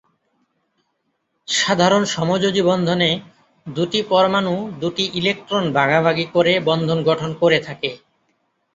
সাধারণ সমযোজী বন্ধনে দুটি পরমাণু দুটি ইলেকট্রন ভাগাভাগি করে বন্ধন গঠন করে থাকে।